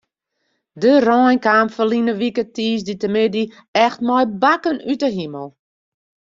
De rein kaam ferline wike tiisdeitemiddei echt mei bakken út de himel.